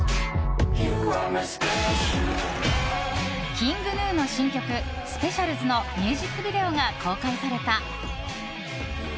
ＫｉｎｇＧｎｕの新曲「ＳＰＥＣＩＡＬＺ」のミュージックビデオが公開された。